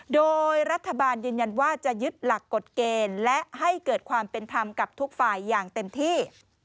โดยรัฐบาลยืนยันว่าจะยึดหลักกฎเกณฑ์และให้เกิดความเป็นธรรมกับทุกฝ่ายอย่างเต็มที่